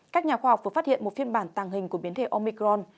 các nhà khoa học vừa phát hiện một phiên bản tàng hình của biến thể omicron